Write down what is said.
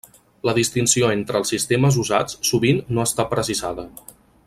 La distinció entre els sistemes usats sovint no està precisada.